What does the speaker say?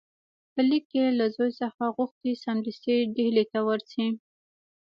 په لیک کې له زوی څخه غوښتي سمدستي ډهلي ته ورشي.